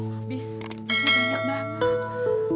habis tapi banyak banget